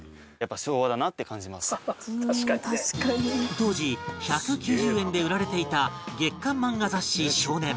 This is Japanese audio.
当時１９０円で売られていた月刊漫画雑誌『少年』